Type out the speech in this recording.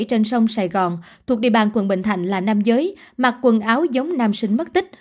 trên sông sài gòn thuộc địa bàn quận bình thạnh là nam giới mặc quần áo giống nam sinh mất tích